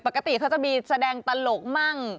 ปกติเขาจะมีแสดงตลกมั่ง